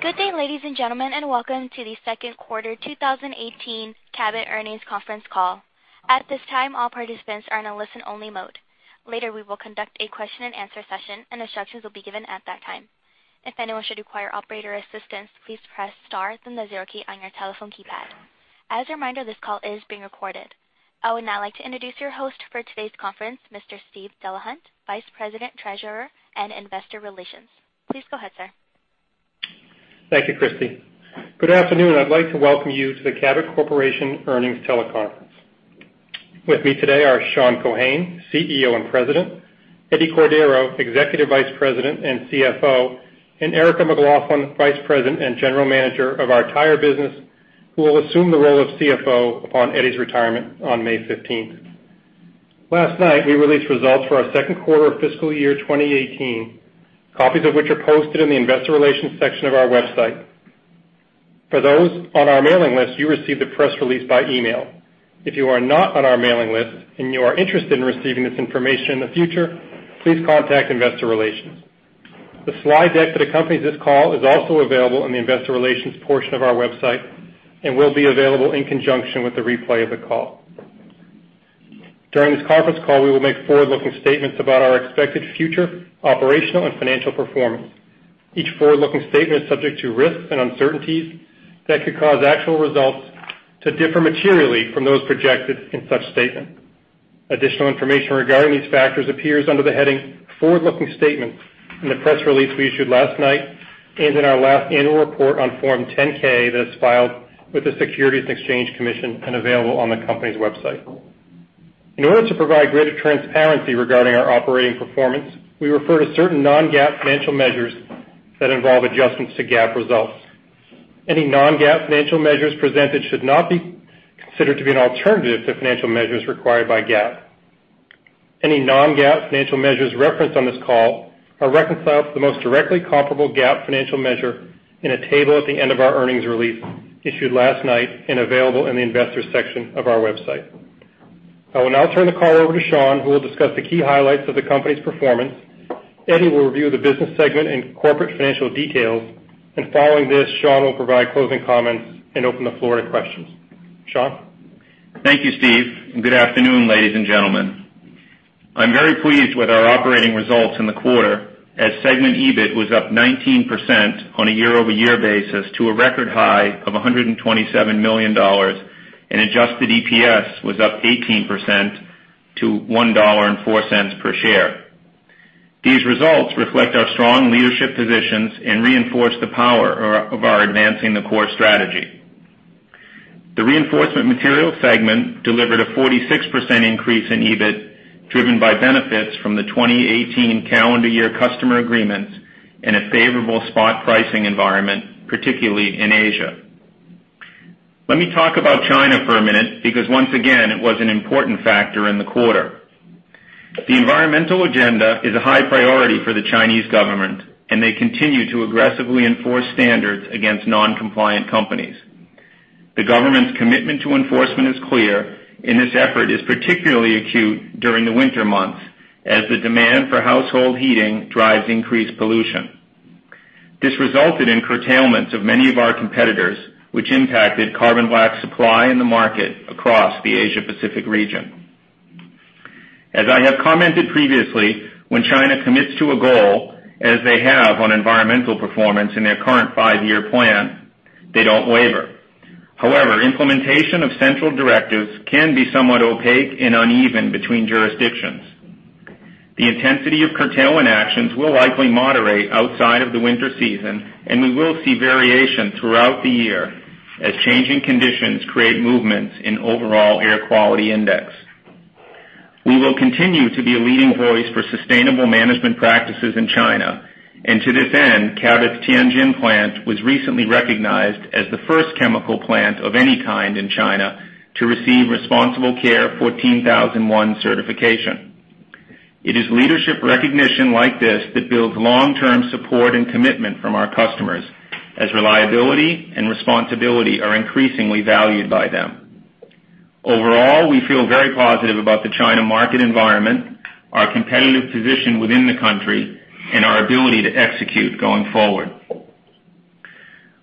Good day, ladies and gentlemen, welcome to the second quarter 2018 Cabot Earnings Conference Call. At this time, all participants are in a listen-only mode. Later, we will conduct a question and answer session, instructions will be given at that time. If anyone should require operator assistance, please press star then the 0 key on your telephone keypad. As a reminder, this call is being recorded. I would now like to introduce your host for today's conference, Mr. Steve Delahunt, Vice President, Treasurer, and Investor Relations. Please go ahead, sir. Thank you, Christy. Good afternoon. I'd like to welcome you to the Cabot Corporation Earnings Teleconference. With me today are Sean Keohane, CEO and President, Eduardo Cordeiro, Executive Vice President and CFO, and Erica McLaughlin, Vice President and General Manager of our tire business, who will assume the role of CFO upon Eddie's retirement on May 15th. Last night, we released results for our second quarter of fiscal year 2018, copies of which are posted in the investor relations section of our website. For those on our mailing list, you received the press release by email. If you are not on our mailing list and you are interested in receiving this information in the future, please contact investor relations. The slide deck that accompanies this call is also available in the investor relations portion of our website and will be available in conjunction with the replay of the call. During this conference call, we will make forward-looking statements about our expected future operational and financial performance. Each forward-looking statement is subject to risks and uncertainties that could cause actual results to differ materially from those projected in such statements. Additional information regarding these factors appears under the heading Forward-Looking Statements in the press release we issued last night and in our last annual report on Form 10-K that was filed with the Securities and Exchange Commission and available on the company's website. In order to provide greater transparency regarding our operating performance, we refer to certain non-GAAP financial measures that involve adjustments to GAAP results. Any non-GAAP financial measures presented should not be considered to be an alternative to financial measures required by GAAP. Any non-GAAP financial measures referenced on this call are reconciled to the most directly comparable GAAP financial measure in a table at the end of our earnings release issued last night and available in the investors section of our website. I will now turn the call over to Sean, who will discuss the key highlights of the company's performance. Eddie will review the business segment and corporate financial details, following this, Sean will provide closing comments and open the floor to questions. Sean? Thank you, Steve, and good afternoon, ladies and gentlemen. I'm very pleased with our operating results in the quarter, as segment EBIT was up 19% on a year-over-year basis to a record high of $127 million, and adjusted EPS was up 18% to $1.04 per share. These results reflect our strong leadership positions and reinforce the power of our Advancing the Core strategy. The Reinforcement Materials segment delivered a 46% increase in EBIT, driven by benefits from the 2018 calendar year customer agreements and a favorable spot pricing environment, particularly in Asia. Let me talk about China for a minute, because once again, it was an important factor in the quarter. The environmental agenda is a high priority for the Chinese government, and they continue to aggressively enforce standards against non-compliant companies. The government's commitment to enforcement is clear, this effort is particularly acute during the winter months as the demand for household heating drives increased pollution. This resulted in curtailments of many of our competitors, which impacted carbon black supply in the market across the Asia-Pacific region. As I have commented previously, when China commits to a goal, as they have on environmental performance in their current five-year plan, they don't waver. However, implementation of central directives can be somewhat opaque and uneven between jurisdictions. The intensity of curtailment actions will likely moderate outside of the winter season, we will see variation throughout the year as changing conditions create movements in overall air quality index. We will continue to be a leading voice for sustainable management practices in China, to this end, Cabot's Tianjin plant was recently recognized as the first chemical plant of any kind in China to receive Responsible Care 14001 certification. It is leadership recognition like this that builds long-term support and commitment from our customers, as reliability and responsibility are increasingly valued by them. Overall, we feel very positive about the China market environment, our competitive position within the country, our ability to execute going forward.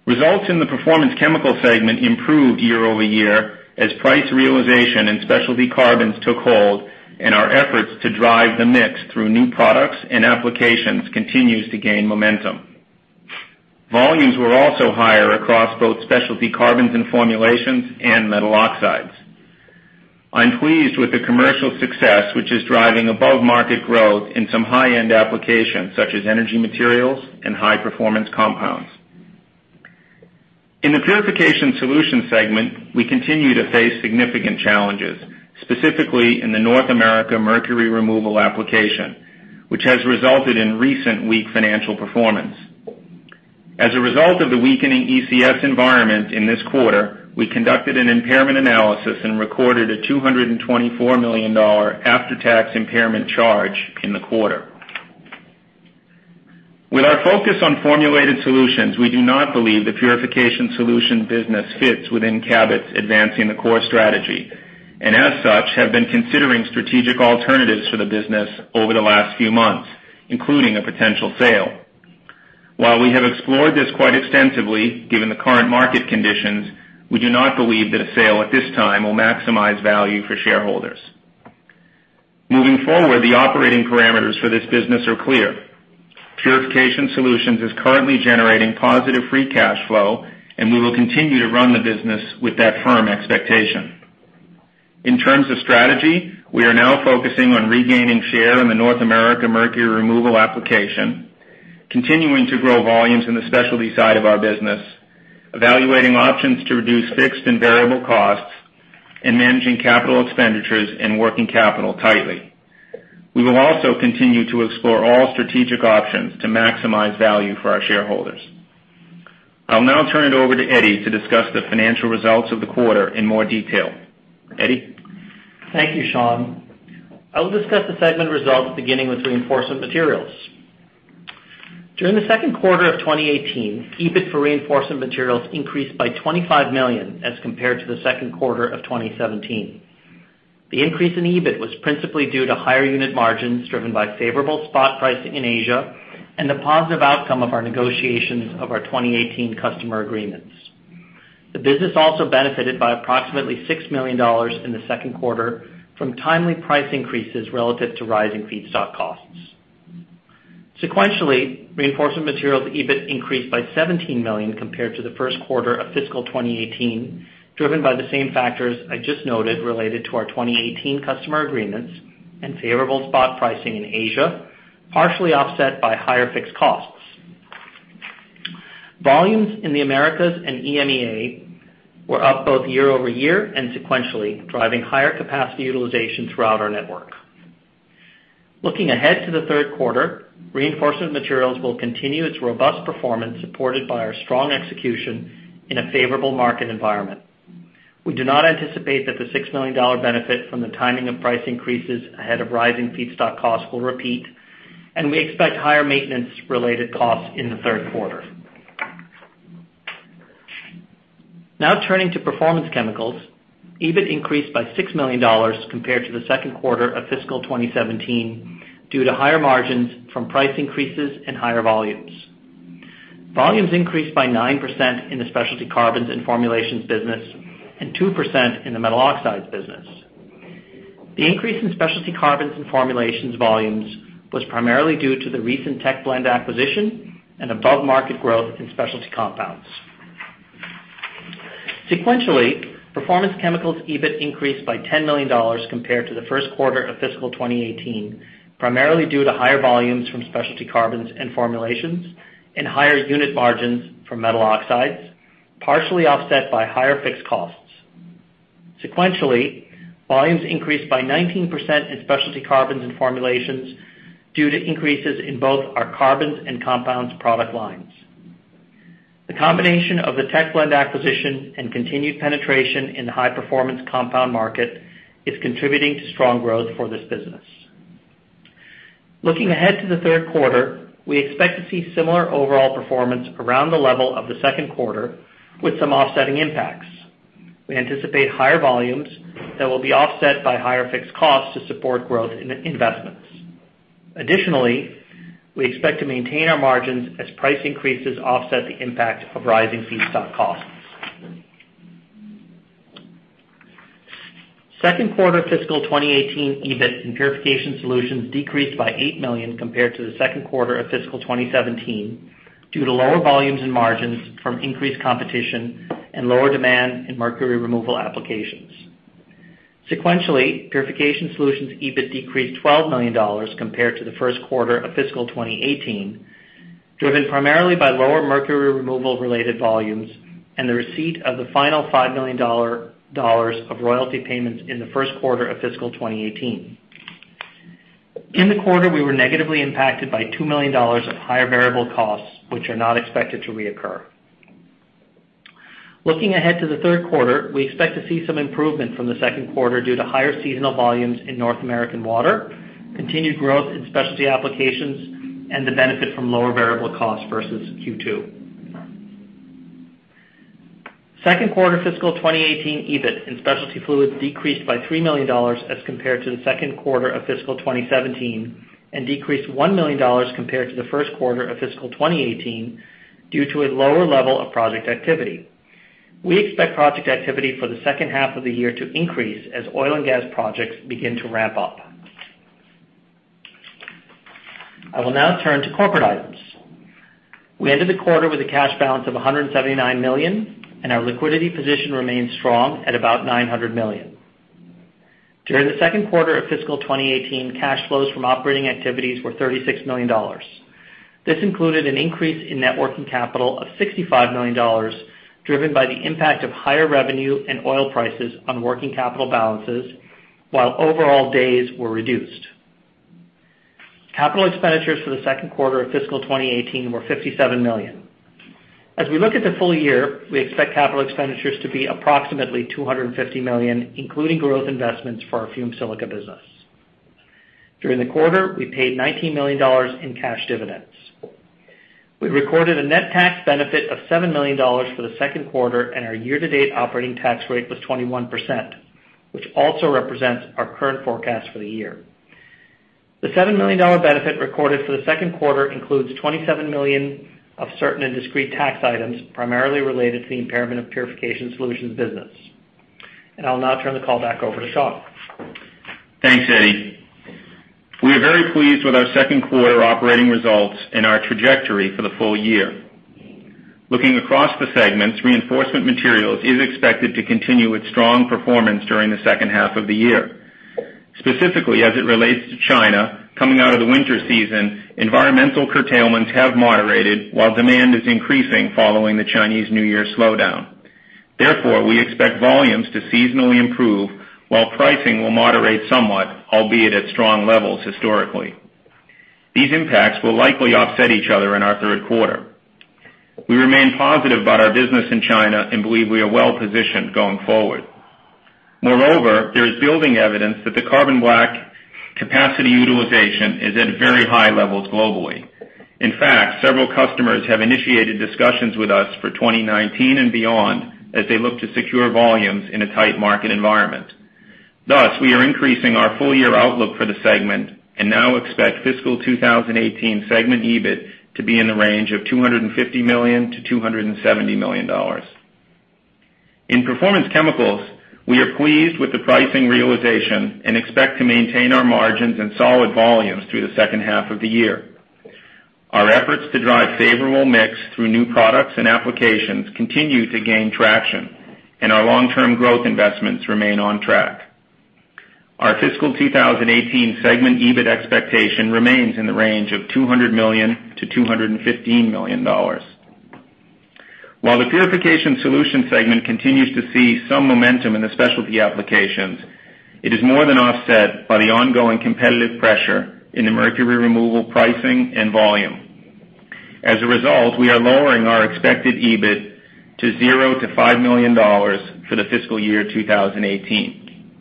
Results in the Performance Chemicals segment improved year-over-year as price realization and specialty carbons took hold, our efforts to drive the mix through new products and applications continues to gain momentum. Volumes were also higher across both Specialty Carbons and Formulations and Metal Oxides. I'm pleased with the commercial success, which is driving above-market growth in some high-end applications, such as energy materials and high-performance compounds. In the Purification Solutions segment, we continue to face significant challenges, specifically in the North America mercury removal application, which has resulted in recent weak financial performance. As a result of the weakening ECS environment in this quarter, we conducted an impairment analysis and recorded a $224 million after-tax impairment charge in the quarter. With our focus on formulated solutions, we do not believe the Purification Solution business fits within Cabot's Advancing the Core strategy. As such, have been considering strategic alternatives for the business over the last few months, including a potential sale. While we have explored this quite extensively, given the current market conditions, we do not believe that a sale at this time will maximize value for shareholders. Moving forward, the operating parameters for this business are clear. Purification Solutions is currently generating positive free cash flow, and we will continue to run the business with that firm expectation. In terms of strategy, we are now focusing on regaining share in the North America mercury removal application, continuing to grow volumes in the specialty side of our business, evaluating options to reduce fixed and variable costs, and managing capital expenditures and working capital tightly. We will also continue to explore all strategic options to maximize value for our shareholders. I'll now turn it over to Eddie to discuss the financial results of the quarter in more detail. Eddie? Thank you, Sean. I will discuss the segment results beginning with Reinforcement Materials. During the second quarter of 2018, EBIT for Reinforcement Materials increased by $25 million as compared to the second quarter of 2017. The increase in EBIT was principally due to higher unit margins driven by favorable spot pricing in Asia and the positive outcome of our negotiations of our 2018 customer agreements. The business also benefited by approximately $6 million in the second quarter from timely price increases relative to rising feedstock costs. Sequentially, Reinforcement Materials' EBIT increased by $17 million compared to the first quarter of fiscal 2018, driven by the same factors I just noted related to our 2018 customer agreements and favorable spot pricing in Asia, partially offset by higher fixed costs. Volumes in the Americas and EMEA were up both year-over-year and sequentially, driving higher capacity utilization throughout our network. Looking ahead to the third quarter, Reinforcement Materials will continue its robust performance supported by our strong execution in a favorable market environment. We do not anticipate that the $6 million benefit from the timing of price increases ahead of rising feedstock costs will repeat, and we expect higher maintenance-related costs in the third quarter. Now turning to Performance Chemicals. EBIT increased by $6 million compared to the second quarter of fiscal 2017 due to higher margins from price increases and higher volumes. Volumes increased by 9% in the Specialty Carbons and Formulations business and 2% in the Metal Oxides business. The increase in Specialty Carbons and Formulations volumes was primarily due to the recent Techblend acquisition and above-market growth in specialty compounds. Sequentially, Performance Chemicals' EBIT increased by $10 million compared to the first quarter of fiscal 2018, primarily due to higher volumes from Specialty Carbons and Formulations and higher unit margins from Metal Oxides, partially offset by higher fixed costs. Sequentially, volumes increased by 19% in Specialty Carbons and Formulations due to increases in both our carbons and compounds product lines. The combination of the Techblend acquisition and continued penetration in the high-performance compound market is contributing to strong growth for this business. Looking ahead to the third quarter, we expect to see similar overall performance around the level of the second quarter, with some offsetting impacts. We anticipate higher volumes that will be offset by higher fixed costs to support growth in investments. Additionally, we expect to maintain our margins as price increases offset the impact of rising feedstock costs. Second quarter fiscal 2018 EBIT in Purification Solutions decreased by $8 million compared to the second quarter of fiscal 2017 due to lower volumes and margins from increased competition and lower demand in mercury removal applications. Sequentially, Purification Solutions' EBIT decreased $12 million compared to the first quarter of fiscal 2018, driven primarily by lower mercury removal-related volumes and the receipt of the final $5 million of royalty payments in the first quarter of fiscal 2018. In the quarter, we were negatively impacted by $2 million of higher variable costs, which are not expected to reoccur. Looking ahead to the third quarter, we expect to see some improvement from the second quarter due to higher seasonal volumes in North American water, continued growth in specialty applications, and the benefit from lower variable costs versus Q2. Second quarter fiscal 2018 EBIT in Specialty Fluids decreased by $3 million as compared to the second quarter of fiscal 2017 and decreased $1 million compared to the first quarter of fiscal 2018 due to a lower level of project activity. We expect project activity for the second half of the year to increase as oil and gas projects begin to ramp up. I will now turn to corporate items. We ended the quarter with a cash balance of $179 million, and our liquidity position remains strong at about $900 million. During the second quarter of fiscal 2018, cash flows from operating activities were $36 million. This included an increase in net working capital of $65 million, driven by the impact of higher revenue and oil prices on working capital balances while overall days were reduced. Capital expenditures for the second quarter of fiscal 2018 were $57 million. As we look at the full year, we expect capital expenditures to be approximately $250 million, including growth investments for our Fumed Silica business. During the quarter, we paid $19 million in cash dividends. We recorded a net tax benefit of $7 million for the second quarter, and our year-to-date operating tax rate was 21%, which also represents our current forecast for the year. The $7 million benefit recorded for the second quarter includes $27 million of certain and discrete tax items, primarily related to the impairment of Purification Solutions business. I'll now turn the call back over to Sean. Thanks, Eddie. We are very pleased with our second quarter operating results and our trajectory for the full year. Looking across the segments, Reinforcement Materials is expected to continue its strong performance during the second half of the year. Specifically, as it relates to China, coming out of the winter season, environmental curtailments have moderated while demand is increasing following the Chinese New Year slowdown. Therefore, we expect volumes to seasonally improve while pricing will moderate somewhat, albeit at strong levels historically. These impacts will likely offset each other in our third quarter. We remain positive about our business in China and believe we are well-positioned going forward. Moreover, there is building evidence that the carbon black capacity utilization is at very high levels globally. In fact, several customers have initiated discussions with us for 2019 and beyond as they look to secure volumes in a tight market environment. We are increasing our full-year outlook for the segment and now expect fiscal 2018 segment EBIT to be in the range of $250 million-$270 million. In Performance Chemicals, we are pleased with the pricing realization and expect to maintain our margins and solid volumes through the second half of the year. Our efforts to drive favorable mix through new products and applications continue to gain traction, and our long-term growth investments remain on track. Our fiscal 2018 segment EBIT expectation remains in the range of $200 million-$215 million. While the Purification Solutions segment continues to see some momentum in the specialty applications, it is more than offset by the ongoing competitive pressure in the mercury removal pricing and volume. As a result, we are lowering our expected EBIT to $0-$5 million for the fiscal year 2018.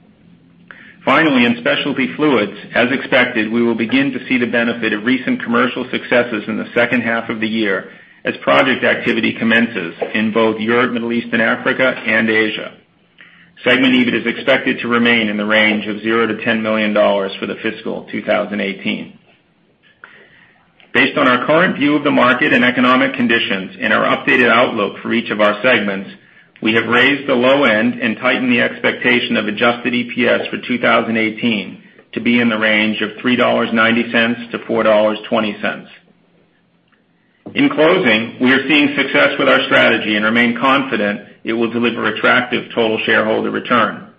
In Specialty Fluids, as expected, we will begin to see the benefit of recent commercial successes in the second half of the year as project activity commences in both Europe, Middle East and Africa, and Asia. Segment EBIT is expected to remain in the range of $0-$10 million for the fiscal 2018. Based on our current view of the market and economic conditions and our updated outlook for each of our segments, we have raised the low end and tightened the expectation of adjusted EPS for 2018 to be in the range of $3.90-$4.20. We are seeing success with our strategy and remain confident it will deliver attractive total shareholder return.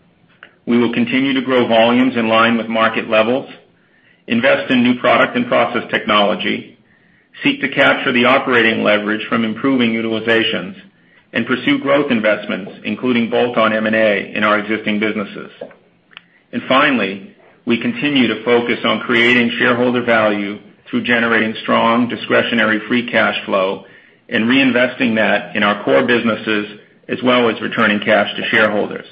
We will continue to grow volumes in line with market levels, invest in new product and process technology, seek to capture the operating leverage from improving utilizations, and pursue growth investments, including bolt-on M&A in our existing businesses. We continue to focus on creating shareholder value through generating strong discretionary free cash flow and reinvesting that in our core businesses, as well as returning cash to shareholders.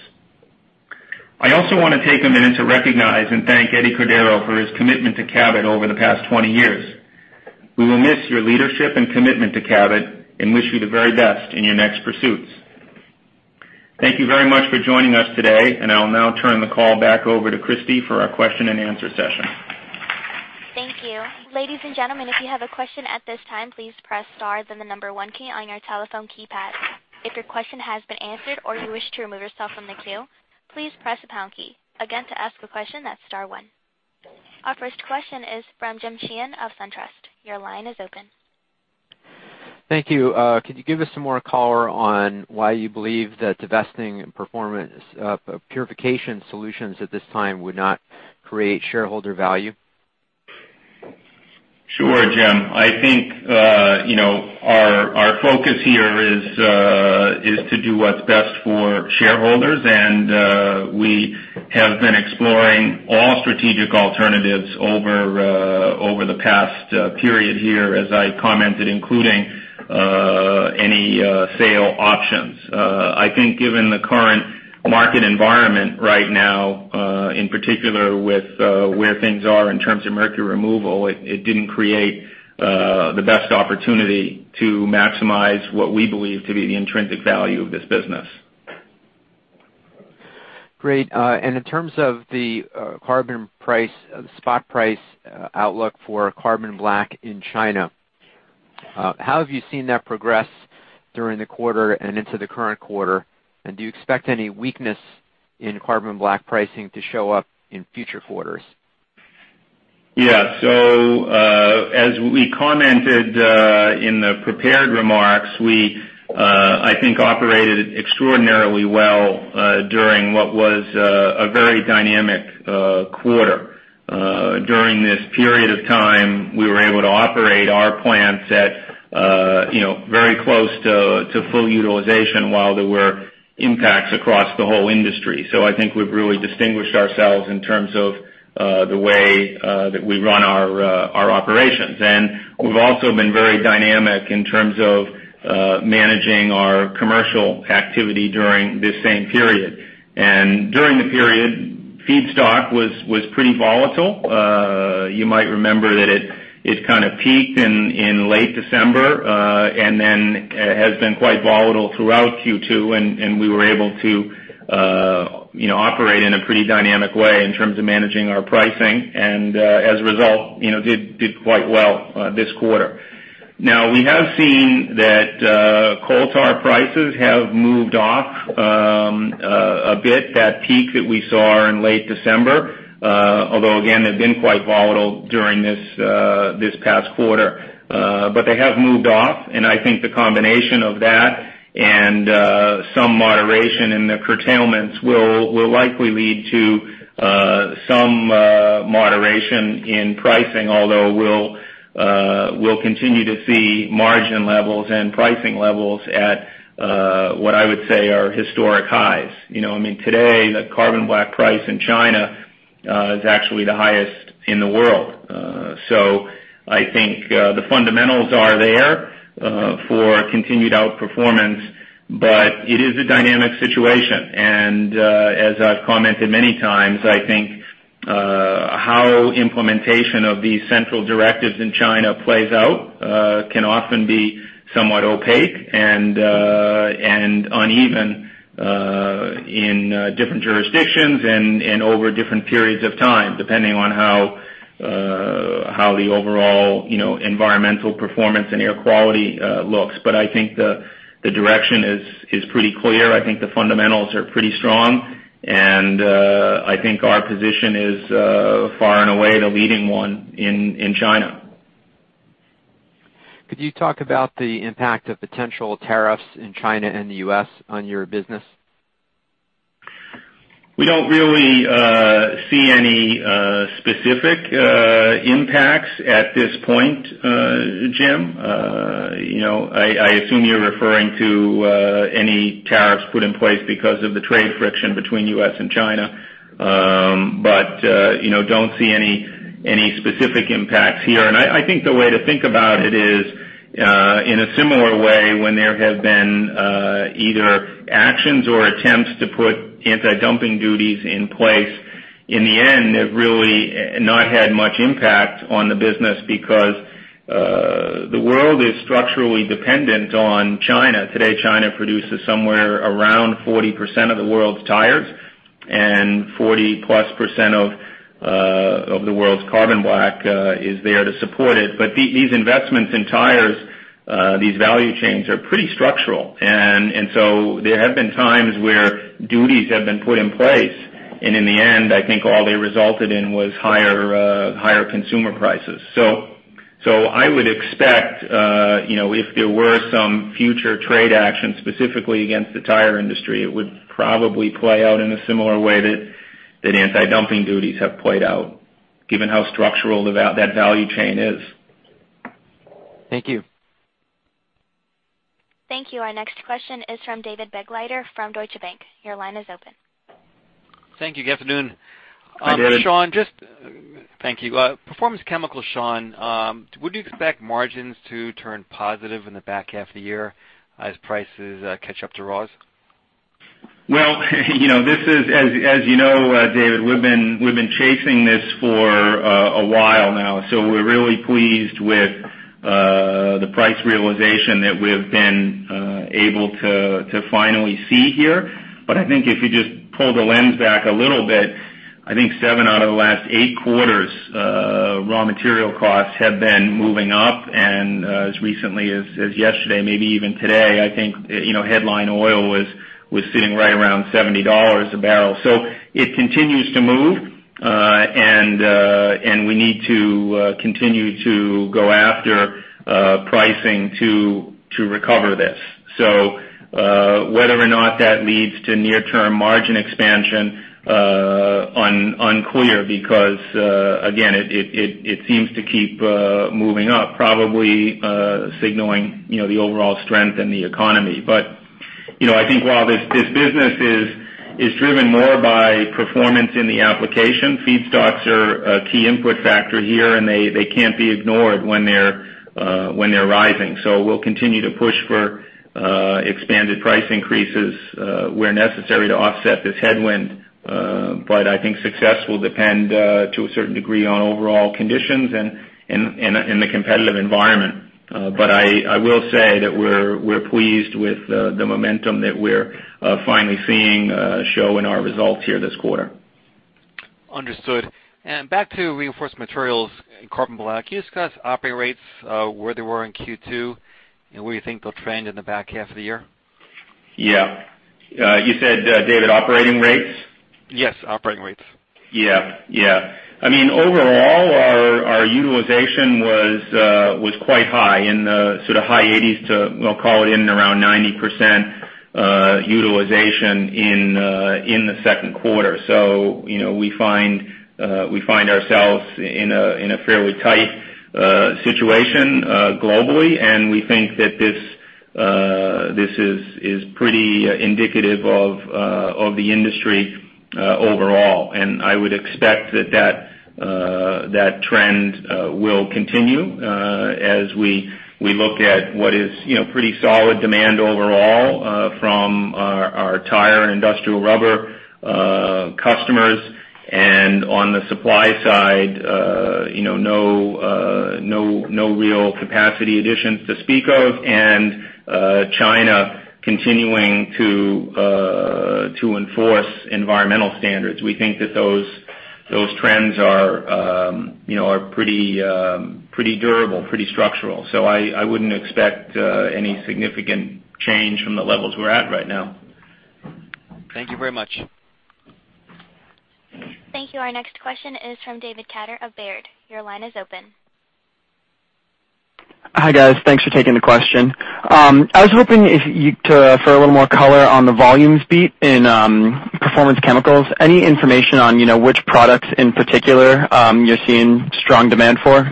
I also want to take a minute to recognize and thank Eduardo Cordeiro for his commitment to Cabot over the past 20 years. We will miss your leadership and commitment to Cabot and wish you the very best in your next pursuits. Thank you very much for joining us today, and I will now turn the call back over to Christy for our question and answer session. Thank you. Ladies and gentlemen, if you have a question at this time, please press star then the number one key on your telephone keypad. If your question has been answered or you wish to remove yourself from the queue, please press the pound key. Again, to ask a question, that's star one. Our first question is from James Sheehan of SunTrust. Your line is open. Thank you. Could you give us some more color on why you believe that divesting Purification Solutions at this time would not create shareholder value? Sure, Jim. I think our focus here is to do what's best for shareholders, and we have been exploring all strategic alternatives over the past period here, as I commented, including any sale options. I think given the current market environment right now, in particular with where things are in terms of mercury removal, it didn't create the best opportunity to maximize what we believe to be the intrinsic value of this business. Great. In terms of the carbon spot price outlook for carbon black in China, how have you seen that progress during the quarter and into the current quarter? Do you expect any weakness in carbon black pricing to show up in future quarters? Yeah. As we commented in the prepared remarks, we, I think, operated extraordinarily well during what was a very dynamic quarter. During this period of time, we were able to operate our plants at very close to full utilization while there were impacts across the whole industry. I think we've really distinguished ourselves in terms of the way that we run our operations. We've also been very dynamic in terms of managing our commercial activity during this same period. During the period feedstock was pretty volatile. You might remember that it kind of peaked in late December, then has been quite volatile throughout Q2, we were able to operate in a pretty dynamic way in terms of managing our pricing, as a result, did quite well this quarter. We have seen that coal tar prices have moved off a bit that peak that we saw in late December, although again, they've been quite volatile during this past quarter. They have moved off, and I think the combination of that and some moderation in the curtailments will likely lead to some moderation in pricing, although we'll continue to see margin levels and pricing levels at what I would say are historic highs. I mean, today, the carbon black price in China is actually the highest in the world. I think the fundamentals are there for continued outperformance, but it is a dynamic situation. As I've commented many times, I think how implementation of these central directives in China plays out can often be somewhat opaque and uneven in different jurisdictions, and over different periods of time, depending on how the overall environmental performance and air quality looks. I think the direction is pretty clear. I think the fundamentals are pretty strong, and I think our position is far and away the leading one in China. Could you talk about the impact of potential tariffs in China and the U.S. on your business? We don't really see any specific impacts at this point, Jim. I assume you're referring to any tariffs put in place because of the trade friction between U.S. and China. Don't see any specific impacts here. I think the way to think about it is, in a similar way, when there have been either actions or attempts to put anti-dumping duties in place, in the end, it really not had much impact on the business because the world is structurally dependent on China. Today, China produces somewhere around 40% of the world's tires, and 40-plus% of the world's carbon black is there to support it. These investments in tires, these value chains, are pretty structural. There have been times where duties have been put in place. In the end, I think all they resulted in was higher consumer prices. I would expect if there were some future trade action specifically against the tire industry, it would probably play out in a similar way that anti-dumping duties have played out, given how structural that value chain is. Thank you. Thank you. Our next question is from David Begleiter from Deutsche Bank. Your line is open. Thank you. Good afternoon. Hi, David. Sean, thank you. Performance Chemicals, Sean, would you expect margins to turn positive in the back half of the year as prices catch up to raws? Well, as you know, David, we've been chasing this for a while now. We're really pleased with the price realization that we've been able to finally see here. I think if you just pull the lens back a little bit, I think seven out of the last eight quarters, raw material costs have been moving up, and as recently as yesterday, maybe even today, I think headline oil was sitting right around $70 a barrel. It continues to move, and we need to continue to go after pricing to recover this. Whether or not that leads to near-term margin expansion, unclear because again, it seems to keep moving up, probably signaling the overall strength in the economy. I think while this business is driven more by performance in the application, feedstocks are a key input factor here, and they can't be ignored when they're rising. We'll continue to push for expanded price increases where necessary to offset this headwind. I think success will depend, to a certain degree, on overall conditions and the competitive environment. I will say that we're pleased with the momentum that we're finally seeing show in our results here this quarter. Understood. Back to Reinforcement Materials and carbon black. Can you discuss operating rates, where they were in Q2, and where you think they'll trend in the back half of the year? Yeah. You said, David, operating rates? Yes, operating rates. Yeah. I mean, overall, our utilization was quite high, in the sort of high 80s to, we'll call it in around 90% utilization in the second quarter. We find ourselves in a fairly tight situation globally, and we think that this is pretty indicative of the industry overall. I would expect that trend will continue as we look at what is pretty solid demand overall from our tire and industrial rubber customers. On the supply side, no real capacity additions to speak of, and China continuing to enforce environmental standards. We think that those trends are pretty durable, pretty structural. I wouldn't expect any significant change from the levels we're at right now. Thank you very much. Thank you. Our next question is from David Katter of Baird. Your line is open. Hi, guys. Thanks for taking the question. I was hoping for a little more color on the volumes beat in Performance Chemicals. Any information on which products in particular you're seeing strong demand for?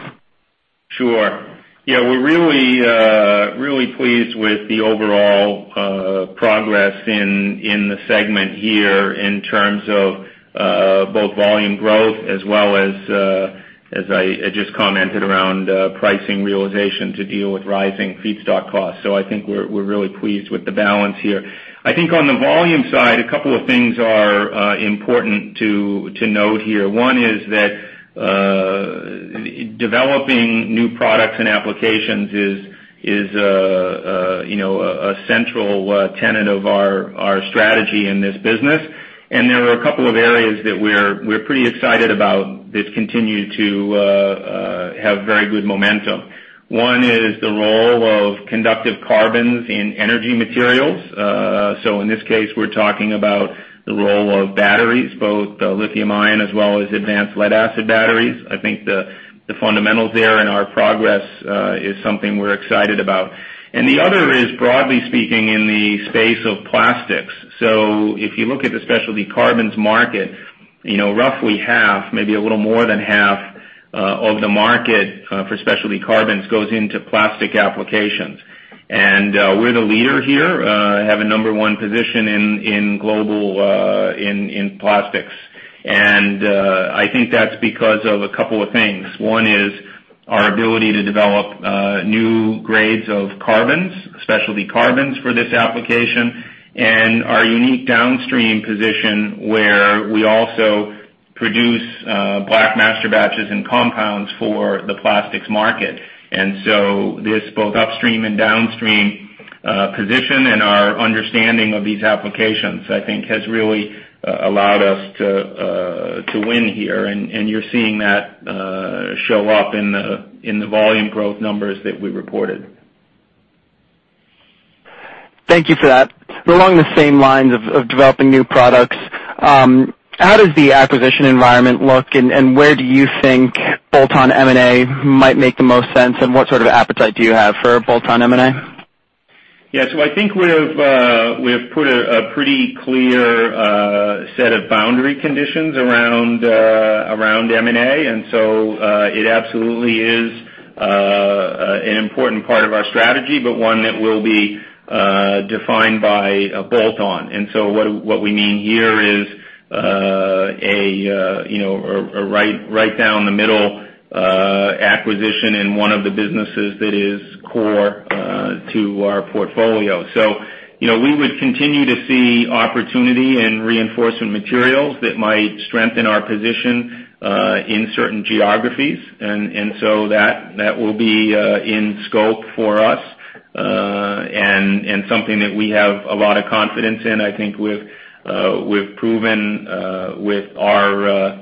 Sure. We're really pleased with the overall progress in the segment here in terms of both volume growth as well as I just commented around pricing realization to deal with rising feedstock costs. I think we're really pleased with the balance here. I think on the volume side, a couple of things are important to note here. One is that developing new products and applications is a central tenet of our strategy in this business. There are a couple of areas that we're pretty excited about that continue to have very good momentum. One is the role of conductive carbons in energy materials. In this case, we're talking about the role of batteries, both lithium-ion as well as advanced lead-acid batteries. I think the fundamentals there and our progress is something we're excited about. The other is, broadly speaking, in the space of plastics. If you look at the specialty carbons market, roughly half, maybe a little more than half of the market for specialty carbons goes into plastic applications. We're the leader here, have a number one position in plastics. I think that's because of a couple of things. One is our ability to develop new grades of carbons, specialty carbons for this application, and our unique downstream position where we also produce black masterbatches and compounds for the plastics market. This both upstream and downstream position and our understanding of these applications, I think has really allowed us to win here. You're seeing that show up in the volume growth numbers that we reported. Thank you for that. Along the same lines of developing new products, how does the acquisition environment look, and where do you think bolt-on M&A might make the most sense, and what sort of appetite do you have for bolt-on M&A? Yeah. I think we have put a pretty clear set of boundary conditions around M&A. It absolutely is an important part of our strategy, but one that will be defined by a bolt-on. What we mean here is a right down the middle acquisition in one of the businesses that is core to our portfolio. We would continue to see opportunity in Reinforcement Materials that might strengthen our position in certain geographies. That will be in scope for us and something that we have a lot of confidence in. I think we've proven with our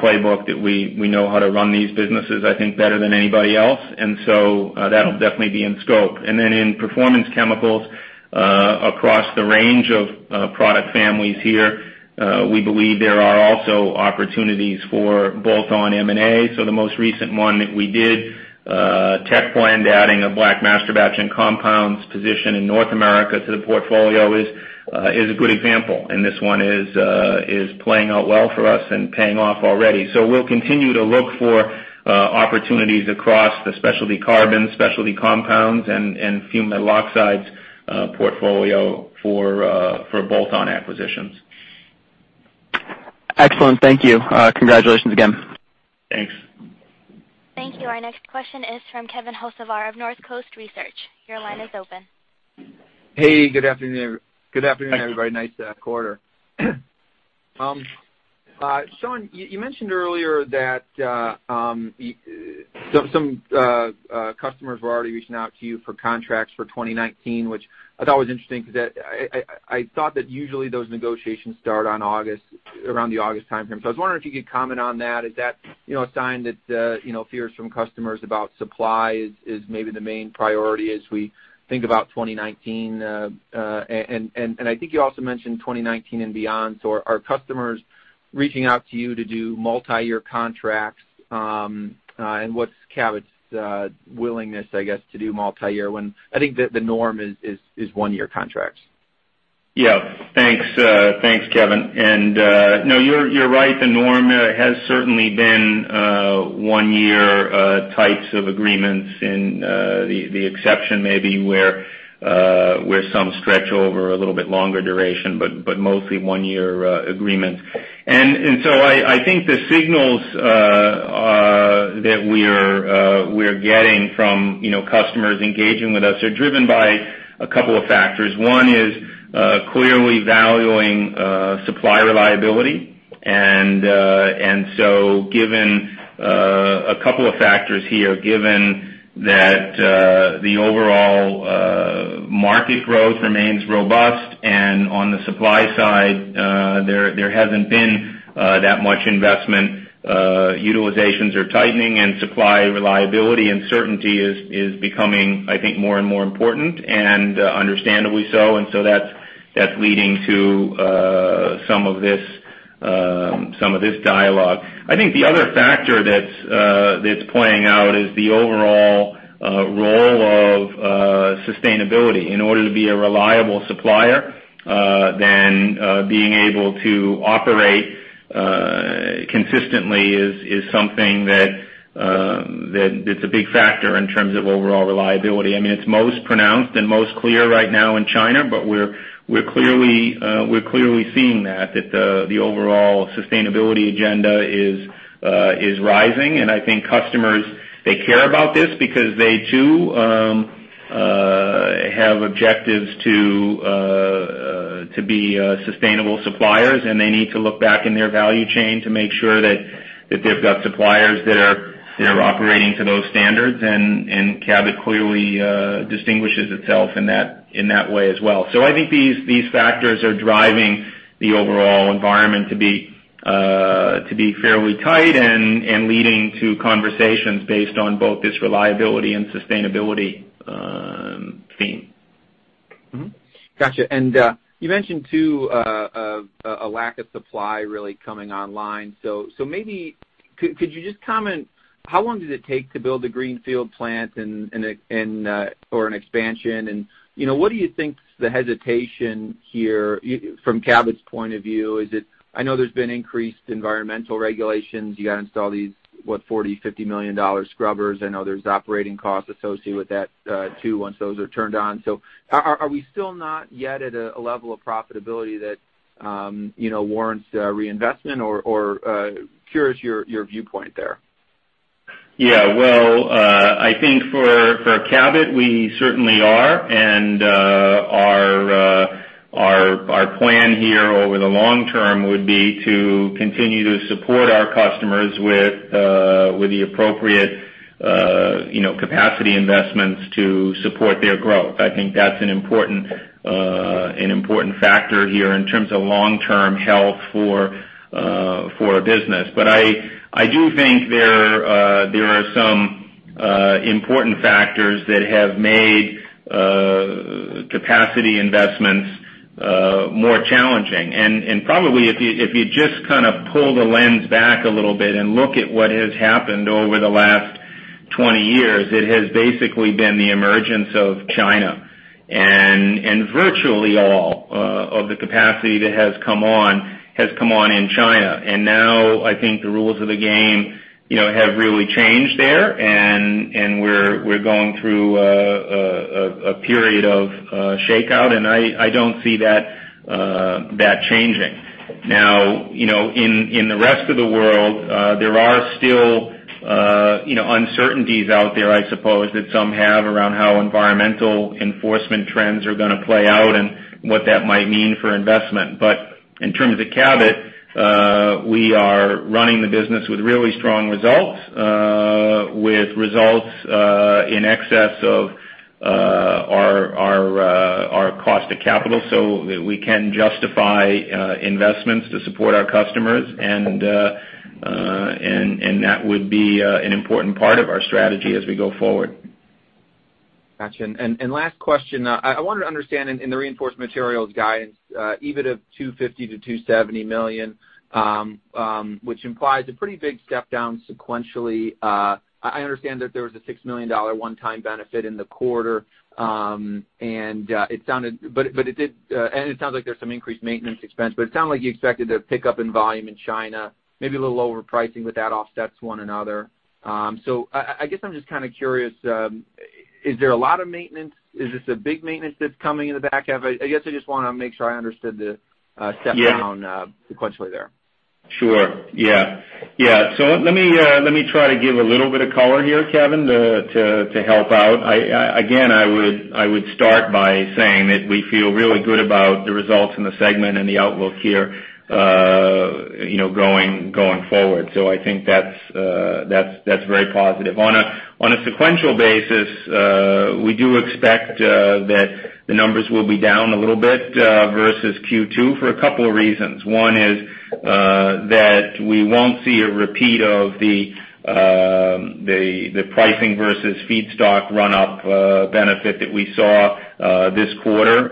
playbook that we know how to run these businesses, I think, better than anybody else. That'll definitely be in scope. Then in Performance Chemicals, across the range of product families here, we believe there are also opportunities for bolt-on M&A. The most recent one that we did, Techblend, adding a black masterbatch and compounds position in North America to the portfolio is a good example. This one is playing out well for us and paying off already. We'll continue to look for opportunities across the specialty carbon, specialty compounds, and fumed silica portfolio for bolt-on acquisitions. Excellent, thank you. Congratulations again. Thanks. Thank you. Our next question is from Kevin Hocevar of Northcoast Research. Your line is open. Hey, good afternoon, everybody. Nice quarter. Sean, you mentioned earlier that some customers were already reaching out to you for contracts for 2019, which I thought was interesting because I thought that usually those negotiations start around the August timeframe. I was wondering if you could comment on that. Is that a sign that fears from customers about supply is maybe the main priority as we think about 2019? I think you also mentioned 2019 and beyond. Are customers reaching out to you to do multi-year contracts? What's Cabot's willingness, I guess, to do multi-year when I think the norm is one-year contracts. Yeah. Thanks Kevin. No, you're right. The norm has certainly been one-year types of agreements, and the exception may be where some stretch over a little bit longer duration, but mostly one-year agreements. I think the signals are that we're getting from customers engaging with us are driven by a couple of factors. One is clearly valuing supply reliability, and so given a couple of factors here, given that the overall market growth remains robust and on the supply side, there hasn't been that much investment. Utilizations are tightening and supply reliability and certainty is becoming, I think, more and more important, and understandably so. That's leading to some of this dialogue. I think the other factor that's playing out is the overall role of sustainability. In order to be a reliable supplier, being able to operate consistently is something that's a big factor in terms of overall reliability. It's most pronounced and most clear right now in China, but we're clearly seeing that the overall sustainability agenda is rising. I think customers care about this because they too have objectives to be sustainable suppliers, and they need to look back in their value chain to make sure that they've got suppliers that are operating to those standards, Cabot clearly distinguishes itself in that way as well. I think these factors are driving the overall environment to be fairly tight and leading to conversations based on both this reliability and sustainability theme. Got you. You mentioned too, a lack of supply really coming online. Maybe could you just comment, how long does it take to build a greenfield plant or an expansion and what do you think is the hesitation here from Cabot's point of view? I know there's been increased environmental regulations. You got to install these $40 million-$50 million scrubbers. I know there's operating costs associated with that too, once those are turned on. Are we still not yet at a level of profitability that warrants reinvestment or curious your viewpoint there? Yeah. Well, I think for Cabot, we certainly are, Our plan here over the long term would be to continue to support our customers with the appropriate capacity investments to support their growth. I think that's an important factor here in terms of long-term health for our business. I do think there are some important factors that have made capacity investments more challenging. Probably, if you just kind of pull the lens back a little bit and look at what has happened over the last 20 years, it has basically been the emergence of China. Virtually all of the capacity that has come on, has come on in China. Now, I think the rules of the game have really changed there, and we're going through a period of shakeout, and I don't see that changing. Now, in the rest of the world, there are still uncertainties out there, I suppose, that some have around how environmental enforcement trends are going to play out and what that might mean for investment. In terms of Cabot, we are running the business with really strong results, with results in excess of our cost of capital so that we can justify investments to support our customers, That would be an important part of our strategy as we go forward. Last question. I wanted to understand in the Reinforcement Materials guidance, EBIT of $250 million to $270 million, which implies a pretty big step down sequentially. I understand that there was a $6 million one-time benefit in the quarter. It sounds like there's some increased maintenance expense, but it sounded like you expected a pickup in volume in China, maybe a little lower pricing. That offsets one another. I guess I'm just kind of curious, is there a lot of maintenance? Is this a big maintenance that's coming in the back half? I guess I just want to make sure I understood the step down sequentially there. Sure. Yeah. Let me try to give a little bit of color here, Kevin, to help out. Again, I would start by saying that we feel really good about the results in the segment and the outlook here going forward. I think that's very positive. On a sequential basis, we do expect that the numbers will be down a little bit versus Q2 for a couple of reasons. One is that we won't see a repeat of the pricing versus feedstock run up benefit that we saw this quarter.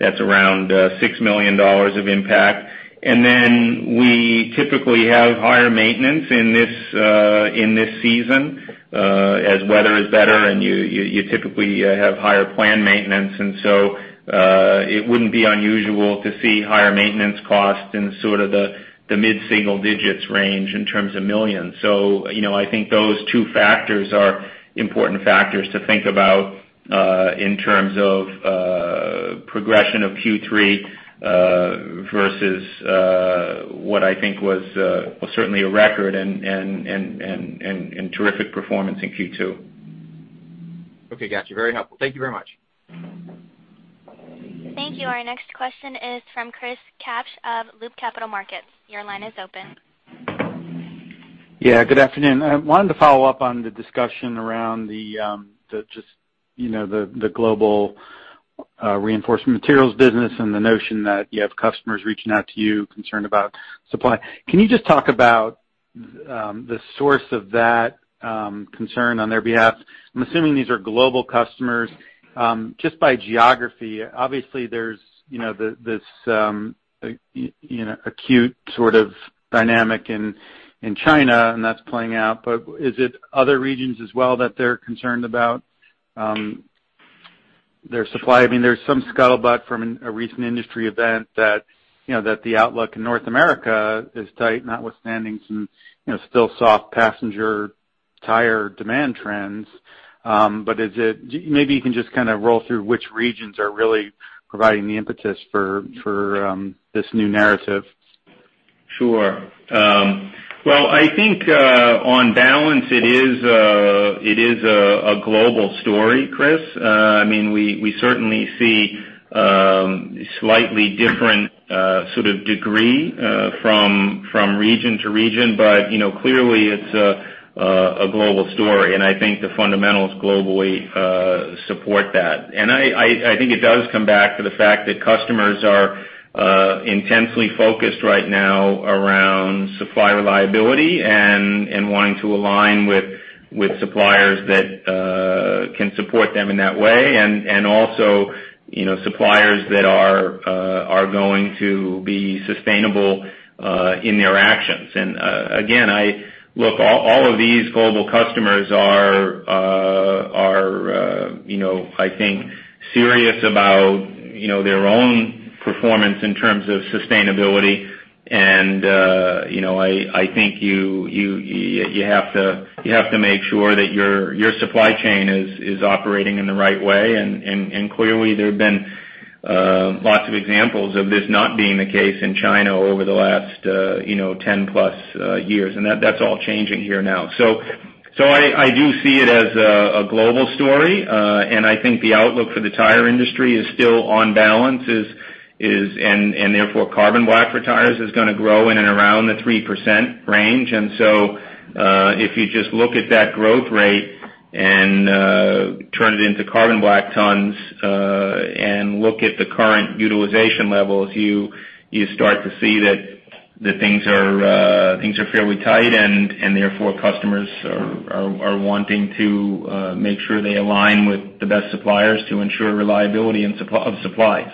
That's around $6 million of impact. Then we typically have higher maintenance in this season, as weather is better and you typically have higher planned maintenance. It wouldn't be unusual to see higher maintenance costs in sort of the mid-single digits range in terms of millions. I think those two factors are important factors to think about in terms of progression of Q3 versus what I think was certainly a record and terrific performance in Q2. Okay, got you. Very helpful. Thank you very much. Thank you. Our next question is from Chris Kapsch of Loop Capital Markets. Your line is open. Yeah, good afternoon. I wanted to follow up on the discussion around the global Reinforcement Materials business and the notion that you have customers reaching out to you concerned about supply. Can you just talk about the source of that concern on their behalf? I'm assuming these are global customers. Just by geography, obviously there's this acute sort of dynamic in China, that's playing out. Is it other regions as well that they're concerned about their supply? There's some scuttlebutt from a recent industry event that the outlook in North America is tight, notwithstanding some still soft passenger tire demand trends. Maybe you can just roll through which regions are really providing the impetus for this new narrative. Sure. Well, I think on balance, it is a global story, Chris. We certainly see slightly different sort of degree from region to region. Clearly, it's a global story, I think the fundamentals globally support that. I think it does come back to the fact that customers are intensely focused right now around supply reliability and wanting to align with suppliers that can support them in that way, also suppliers that are going to be sustainable in their actions. Again, all of these global customers are I think, serious about their own performance in terms of sustainability. I think you have to make sure that your supply chain is operating in the right way, clearly, there have been lots of examples of this not being the case in China over the last 10+ years. That's all changing here now. I do see it as a global story, I think the outlook for the tire industry is still on balance, therefore carbon black for tires is going to grow in and around the 3% range. If you just look at that growth rate and turn it into carbon black tons, look at the current utilization levels, you start to see that things are fairly tight, therefore customers are wanting to make sure they align with the best suppliers to ensure reliability of supply.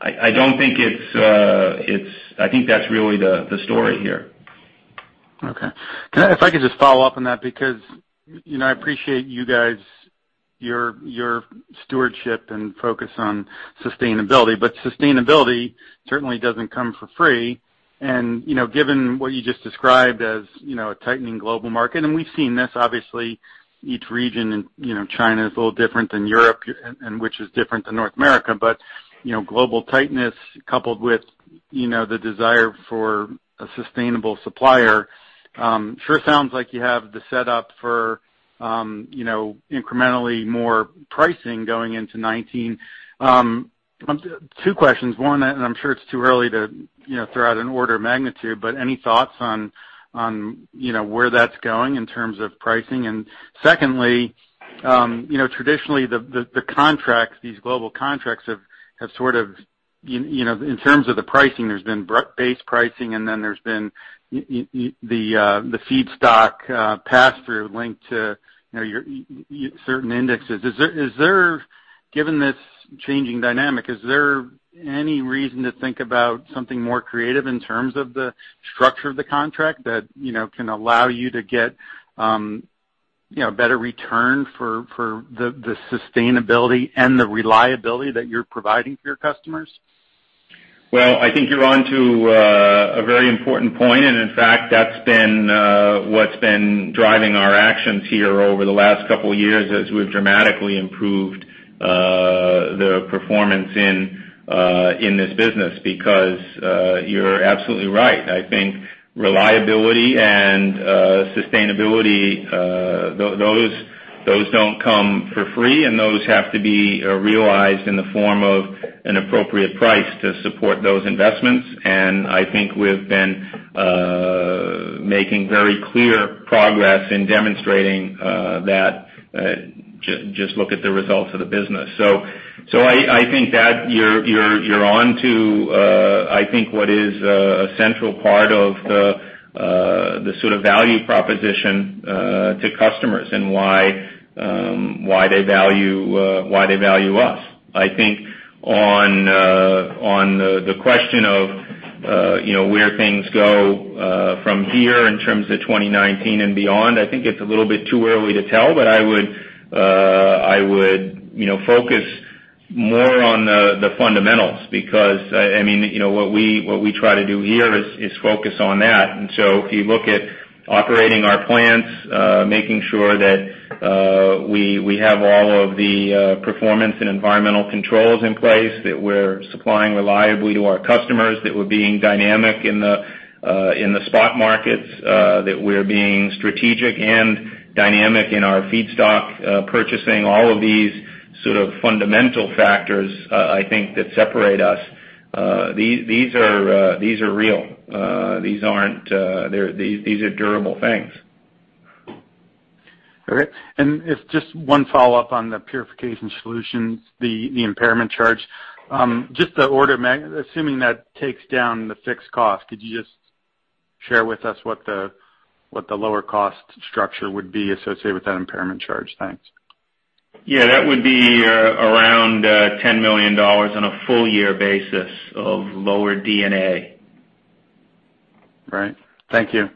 I think that's really the story here. If I could just follow up on that, because I appreciate you guys, your stewardship and focus on sustainability. Sustainability certainly doesn't come for free, and given what you just described as a tightening global market, and we've seen this, obviously each region in China is a little different than Europe, and which is different to North America. Global tightness coupled with the desire for a sustainable supplier sure sounds like you have the setup for incrementally more pricing going into 2019. Two questions. One, I'm sure it's too early to throw out an order of magnitude, any thoughts on where that's going in terms of pricing? Secondly, traditionally the contracts, these global contracts have sort of in terms of the pricing, there's been base pricing, and then there's been the feedstock pass-through linked to your certain indexes. Given this changing dynamic, is there any reason to think about something more creative in terms of the structure of the contract that can allow you to get better return for the sustainability and the reliability that you're providing for your customers? Well, I think you're onto a very important point, in fact, that's been what's been driving our actions here over the last couple of years as we've dramatically improved the performance in this business, because you're absolutely right. I think reliability and sustainability, those don't come for free, and those have to be realized in the form of an appropriate price to support those investments. I think we've been making very clear progress in demonstrating that. Just look at the results of the business. I think that you're onto I think what is a central part of the sort of value proposition to customers and why they value us. I think on the question of where things go from here in terms of 2019 and beyond, I think it's a little bit too early to tell. I would focus more on the fundamentals, because what we try to do here is focus on that. If you look at operating our plants, making sure that we have all of the performance and environmental controls in place, that we're supplying reliably to our customers, that we're being dynamic in the spot markets that we're being strategic and dynamic in our feedstock purchasing. All of these sort of fundamental factors, I think that separate us. These are real. These are durable things. If just one follow-up on the Purification Solutions, the impairment charge. Assuming that takes down the fixed cost, could you just share with us what the lower cost structure would be associated with that impairment charge? Thanks. Yeah, that would be around $10 million on a full year basis of lower D&A. Right. Thank you.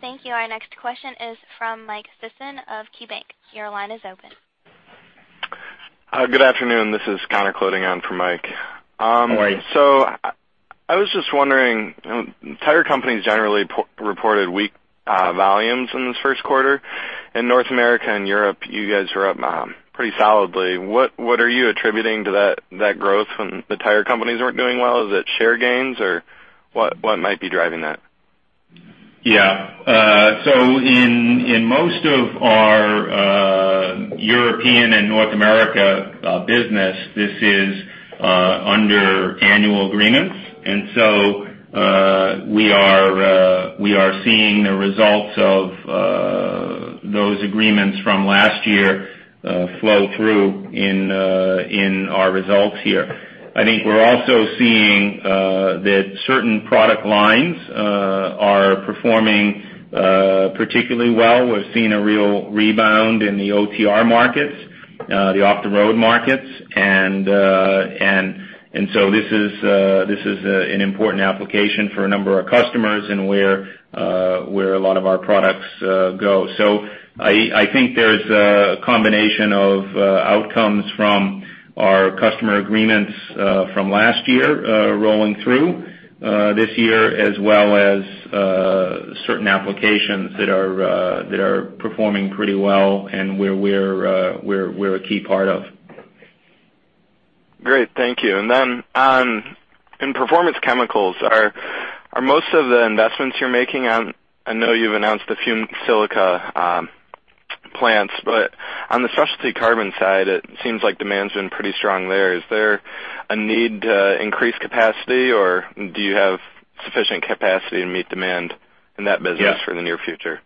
Thank you. Our next question is from Mike Sisson of KeyBank. Your line is open. Hi. Good afternoon. This is Connor closing on for Mike. How are you? I was just wondering, tire companies generally reported weak volumes in this first quarter. In North America and Europe, you guys were up pretty solidly. What are you attributing to that growth when the tire companies weren't doing well? Is it share gains or what might be driving that? In most of our European and North America business, this is under annual agreements. We are seeing the results of those agreements from last year flow through in our results here. I think we're also seeing that certain product lines are performing particularly well. We're seeing a real rebound in the OTR markets, the off the road markets. This is an important application for a number of customers and where a lot of our products go. I think there's a combination of outcomes from our customer agreements from last year rolling through this year as well as certain applications that are performing pretty well and where we're a key part of. Great. Thank you. In Performance Chemicals, are most of the investments you're making I know you've announced a few silica plants, but on the Specialty Carbon side, it seems like demand's been pretty strong there. Is there a need to increase capacity, or do you have sufficient capacity to meet demand in that business? Yeah. -for the near future?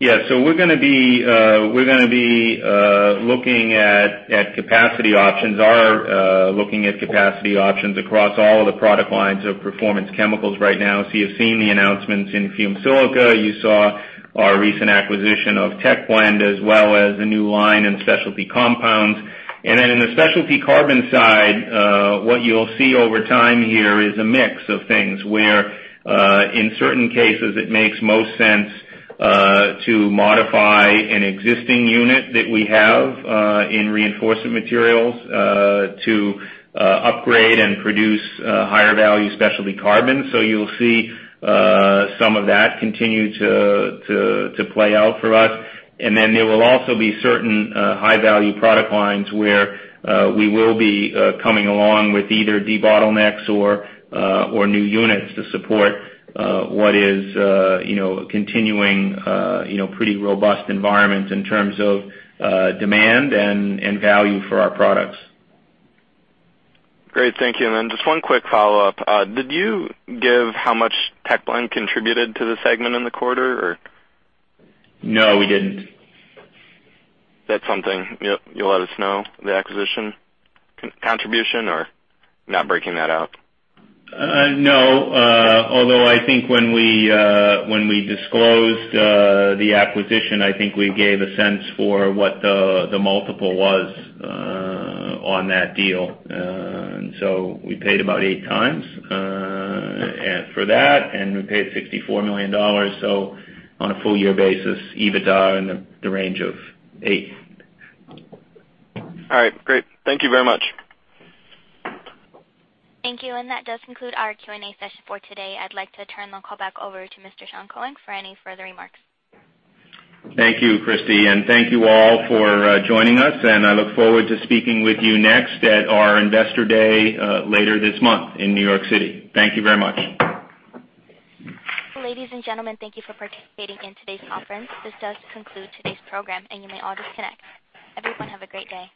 Yeah. We're gonna be looking at capacity options. Are looking at capacity options across all of the product lines of Performance Chemicals right now. You've seen the announcements in fumed silica. You saw our recent acquisition of Techblend, as well as the new line in specialty compounds. In the Specialty Carbon side, what you'll see over time here is a mix of things where, in certain cases, it makes most sense to modify an existing unit that we have in Reinforcement Materials to upgrade and produce higher value Specialty Carbon. You'll see some of that continue to play out for us. There will also be certain high-value product lines where we will be coming along with either debottlenecks or new units to support what is continuing pretty robust environment in terms of demand and value for our products. Great. Thank you. Just one quick follow-up. Did you give how much Techblend contributed to the segment in the quarter, or? No, we didn't. That's something you'll let us know, the acquisition contribution, or not breaking that out? No. Although I think when we disclosed the acquisition, I think we gave a sense for what the multiple was on that deal. We paid about 8x for that, and we paid $64 million, so on a full year basis, EBITDA in the range of 8x. All right. Great. Thank you very much. Thank you. That does conclude our Q&A session for today. I'd like to turn the call back over to Mr. Sean Keohane for any further remarks. Thank you, Christy, and thank you all for joining us, and I look forward to speaking with you next at our Investor Day later this month in New York City. Thank you very much. Ladies and gentlemen, thank you for participating in today's conference. This does conclude today's program, and you may all disconnect. Everyone, have a great day.